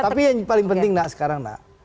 tapi yang paling penting mbak sekarang mbak